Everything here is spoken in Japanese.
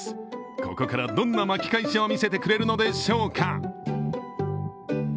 ここからどんな巻き返しを見せてくれるのでしょうか。